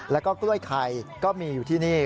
แล้วก็กล้วยไข่ก็มีอยู่ที่นี่